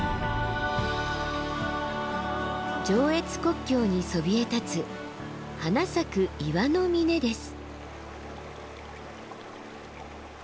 上越国境にそびえ立つ花咲く岩の峰です。